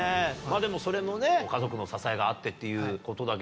でもそれも家族の支えがあってっていうことだけど。